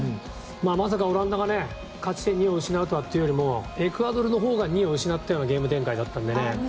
まさかオランダが勝ち点２を失うとはというよりもエクアドルのほうが２を失ったようなゲーム展開だったので。